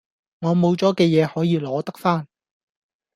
我冇咗嘅嘢可以攞得返